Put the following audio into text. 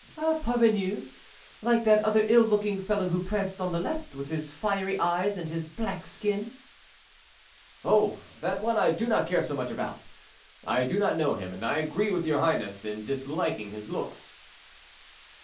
"A parvenu, like that other ill looking fellow who pranced on the left, with his fiery eyes and his black skin." "Oh! that one I do not care so much about; I do not know him, and I agree with your highness in disliking his looks."